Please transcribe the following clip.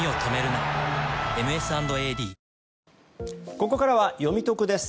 ここからはよみトクです。